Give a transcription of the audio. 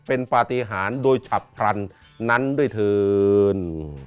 เป็นปฏิหารโดยฉับพลันนั้นด้วยเถิน